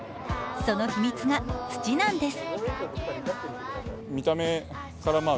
その秘密が、土なんです。